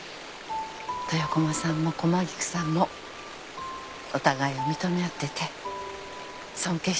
豊駒さんも駒菊さんもお互いを認め合ってて尊敬し合ってて。